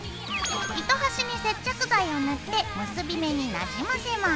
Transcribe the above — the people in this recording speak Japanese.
糸端に接着剤を塗って結び目になじませます。